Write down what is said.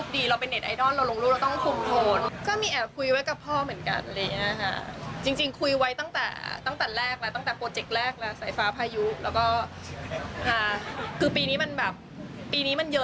ดูนะ